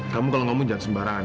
kamu kalau ngomong jangan sembarangan